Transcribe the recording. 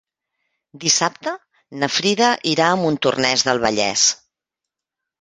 Dissabte na Frida irà a Montornès del Vallès.